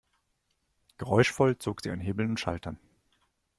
Geräuschvoll zog sie an Hebeln und Schaltern.